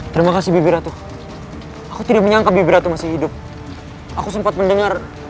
terima kasih bibi ratu aku tidak menyangka bibirat tuh masih hidup aku sempat mendengar